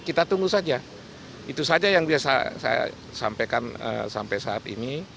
kita tunggu saja itu saja yang biasa saya sampaikan sampai saat ini